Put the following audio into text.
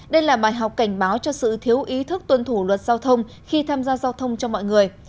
đây là bài học cảnh báo cho sự thiếu ý thức tuân thủ luật giao thông khi tham gia giao thông cho mọi người